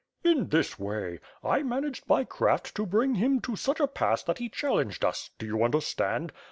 "In this way. I managed by craft, to bring him to such a pass that he challenged us— do you understand?